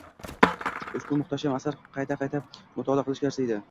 Ushbu muhtasham asar qayta-qayta mutolaa qilishga arziydi.